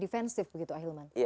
defensif begitu ahilman